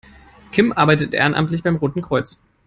Kim arbeitet ehrenamtlich beim Roten Kreuz.